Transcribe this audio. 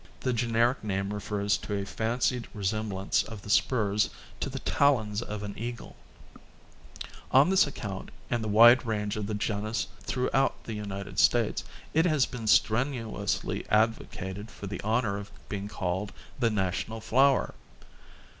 The generic name refers to a fancied resemblance of the spurs to the talons of an eagle; on this account and the wide range of the genus throughout the United States, it has been strenuously advocated for the honor of being called the national flower.